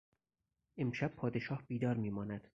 امشب پادشاه بیدار می ماند.